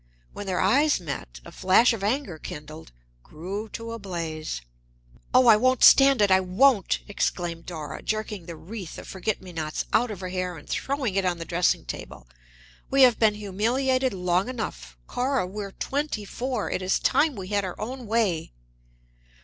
When their eyes met, a flash of anger kindled, grew to a blaze. "Oh, I won't stand it, I won't!" exclaimed Dora, jerking the wreath of forget me nots out of her hair and throwing it on the dressing table. "We have been humiliated long enough. Cora, we're twenty four; it is time we had our own way."